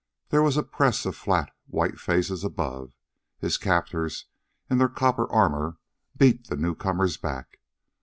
There was a press of flat, white faces above. His captors, in their copper armor, beat the newcomers back.